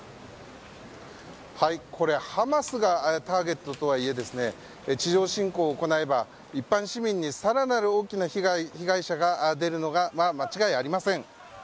ハマスがターゲットとはいえ地上侵攻を行えば一般市民に更なる大きな被害者が出るのは間違いありません。